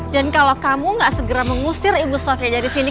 dan kalau kamu gak segera mengusir ibu sofia dari sini